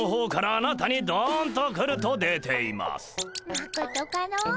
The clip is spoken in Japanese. まことかの？